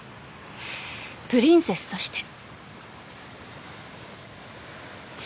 プリンセスとして。